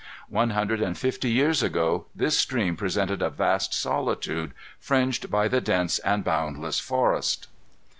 One hundred and fifty years ago this stream presented a vast solitude, fringed by the dense and boundless forest.